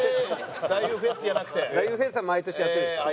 太夫フェスは毎年やってるんですよ。